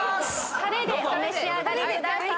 タレでお召し上がりください。